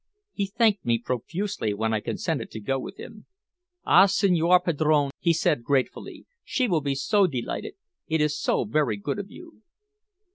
He thanked me profusely when I consented to go with him. "Ah, signor padrone!" he said gratefully, "she will be so delighted. It is so very good of you."